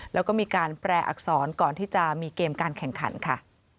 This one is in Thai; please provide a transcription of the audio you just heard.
แล้วก็มีการแปรอักษรก่อนที่จะมีเกมการแข่งขันค่ะ